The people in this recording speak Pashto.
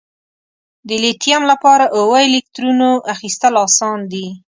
د لیتیم لپاره اووه الکترونو اخیستل آسان دي؟